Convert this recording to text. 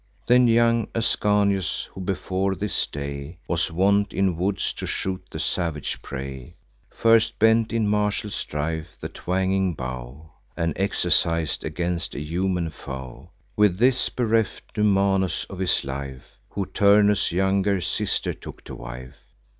Then young Ascanius, who, before this day, Was wont in woods to shoot the savage prey, First bent in martial strife the twanging bow, And exercis'd against a human foe— With this bereft Numanus of his life, Who Turnus' younger sister took to wife.